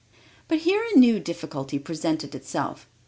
But here a new difficulty presented itself.